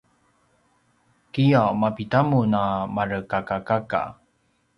giyaw: mapida mun a marekakakaka?